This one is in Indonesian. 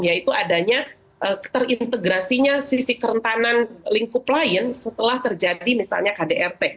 yaitu adanya terintegrasinya sisi kerentanan lingkup lain setelah terjadi misalnya kdrt